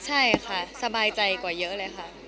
ใช่ค่ะสบายใจกว่าเยอะเลยค่ะ